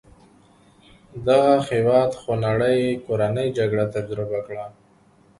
دغه هېواد خونړۍ کورنۍ جګړه تجربه کړه.